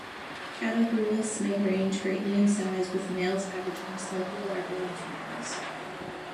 Catahoulas may range greatly in size with males averaging slightly larger than females.